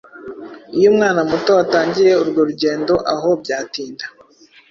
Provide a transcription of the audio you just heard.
Iyo umwana muto atangiye urwo rugendo aho byatinda